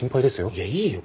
いやいいよ。